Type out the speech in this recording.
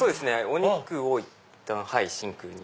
お肉をいったん真空に。